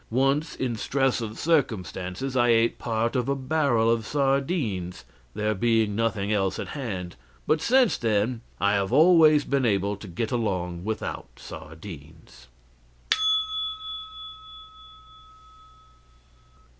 Once, in stress of circumstances, I ate part of a barrel of sardines, there being nothing else at hand, but since then I have always been able to get along without sardines.